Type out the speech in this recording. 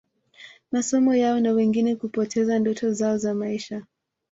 masomo yao na wengine kupoteza ndoto zao za maisha